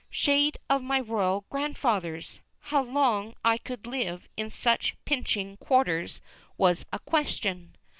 Shade of my royal grandfathers! how long I could live in such pinching quarters was a question.